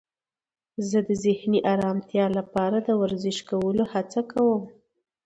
زه د ذهني آرامتیا لپاره د ورزش کولو هڅه کوم.